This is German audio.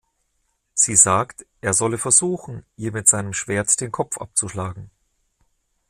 Sie sagt, er solle versuchen, ihr mit seinem Schwert den Kopf abzuschlagen.